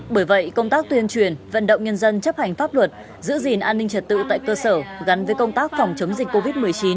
bởi vậy công tác tuyên truyền vận động nhân dân chấp hành pháp luật giữ gìn an ninh trật tự tại cơ sở gắn với công tác phòng chống dịch covid một mươi chín